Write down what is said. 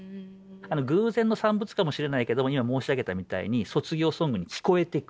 偶然の産物かもしれないけども今申し上げたみたいに卒業ソングに聞こえてくる。